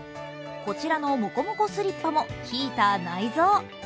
こちらのもこもこスリッパもヒーター内蔵。